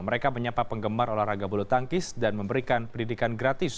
mereka menyapa penggemar olahraga bulu tangkis dan memberikan pendidikan gratis